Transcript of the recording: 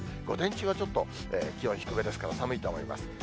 午前中はちょっと、気温低めですから、寒いと思います。